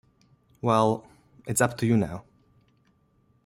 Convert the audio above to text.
Well, it's up to you now.